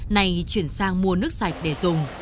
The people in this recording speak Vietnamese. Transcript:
này chuyển sang mua nước sạch để dùng